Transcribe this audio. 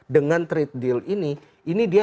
dengan trade deal ini ini dia